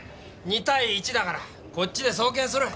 ２対１だからこっちで送検する。